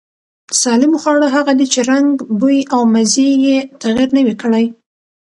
سالم خواړه هغه دي چې رنگ، بوی او مزې يې تغير نه وي کړی.